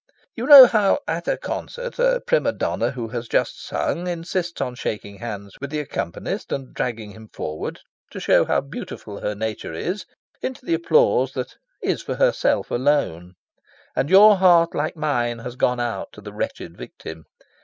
You know how, at a concert, a prima donna who has just sung insists on shaking hands with the accompanist, and dragging him forward, to show how beautiful her nature is, into the applause that is for herself alone. And your heart, like mine, has gone out to the wretched victim.